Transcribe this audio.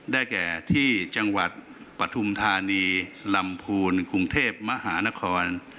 แก่ที่จังหวัดปฐุมธานีลำพูนกรุงเทพมหานคร